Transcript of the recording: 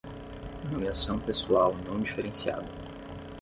Nomeação pessoal não diferenciada